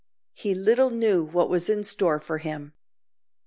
he little knew what was in store for him.